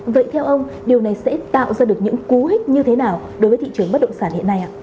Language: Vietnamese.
vậy theo ông điều này sẽ tạo ra được những cú hích như thế nào đối với thị trường bất động sản hiện nay ạ